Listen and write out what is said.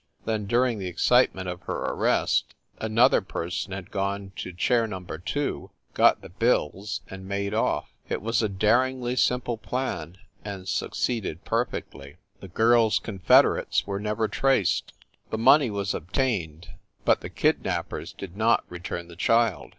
Then, during the excitement of her arrest, another person had gone to chair number two, got the bills, and made off. It was a daringly simple plan and succeeded perfectly. The girl s confederates were never traced. The money was obtained, but the kid nappers did not return the child.